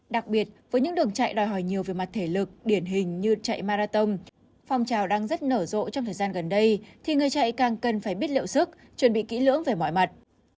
đặc biệt với những đường chạy đòi hỏi nhiều về mặt thể lực điển hình như chạy marathon phong trào đang rất nở rộ trong thời gian gần đây thì người chạy càng cần phải biết liệu sức chuẩn bị kỹ lưỡng về mọi mặt